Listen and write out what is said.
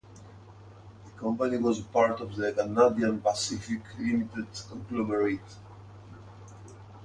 The company was a part of the Canadian Pacific Limited conglomerate.